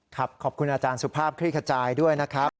ขอบคุณอาจารย์สุภาพคลี่ขจายด้วยนะครับ